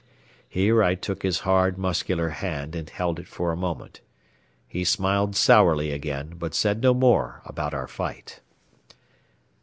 Here I took his hard, muscular hand and held it for a moment. He smiled sourly again, but said no more about our fight.